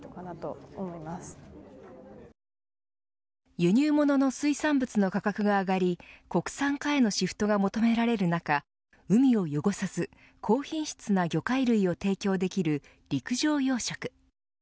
輸入物の水産物の価格が上がり国産化へのシフトが求められる中海を汚さず高品質な魚介類を提供できる陸上養殖。